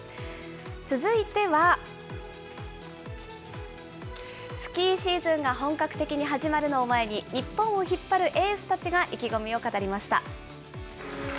続いては、スキーシーズンが本格的に始まるのを前に、日本を引っ張るエースたちが意気込みを語りました。